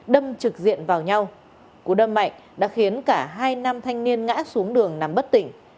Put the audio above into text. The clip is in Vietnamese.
đâm trực diện vào nhau cú đâm mạnh đã khiến cả hai nam thanh niên ngã xuống đường nằm bất tỉnh